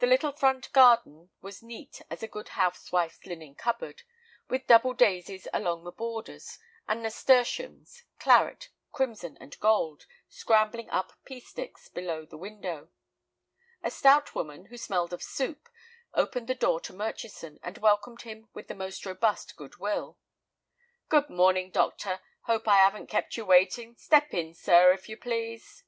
The little front garden was neat as a good housewife's linen cupboard, with double daisies along the borders, and nasturtiums, claret, crimson, and gold, scrambling up pea sticks below the window. A stout woman, who smelled of soup, opened the door to Murchison and welcomed him with the most robust good will. "Good morning, doctor; hope I 'aven't kept you waiting. Step in, sir, if you please."